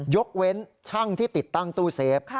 ยกเว้นช่างที่ติดตั้งตู้เซฟ